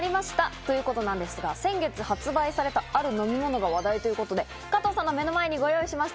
ということなんですが、先月発売された、ある飲み物が話題ということで、加藤さんの目の前にご用意しました。